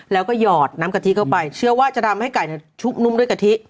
แล้วก็หยอดน้ำกะทิเข้าไปเชื่อว่าจะทำให้ไก่ชุบนุ่มด้วยกะทิ